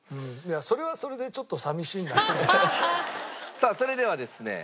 さあそれではですね